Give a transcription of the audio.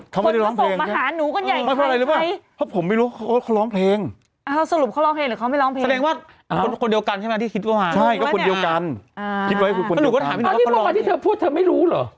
เขาไม่ได้ร้องเพลงใช่ไหมไม่เป็นไรหรือเปล่าคนเขาส่งมาหาหนูกันใหญ่ใครใคร